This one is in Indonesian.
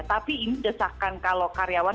tapi ini desakan kalau karyawan